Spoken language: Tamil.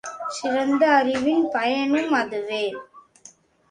சிறந்த அறிவின் பயனும் அதுவே.